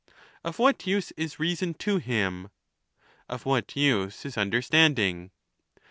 Of what use is reason to him? of what use is understanding?